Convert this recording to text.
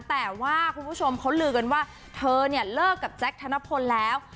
แต่ว่าคุณผู้ชมเขาลือกันว่าเธอเนี่ยเลิกกับแจ๊คธนพลแล้ว